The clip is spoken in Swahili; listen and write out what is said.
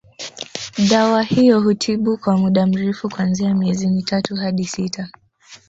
Dawa hiyo hutibu kwa muda mrefu kuanzia miezi mitatu hadi sita